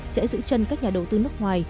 sẽ giữ chân các nhà đầu tư nước ngoài